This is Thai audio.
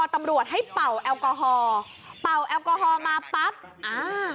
ตำรวจให้เป่าแอลกอฮอลเป่าแอลกอฮอล์มาปั๊บอ่า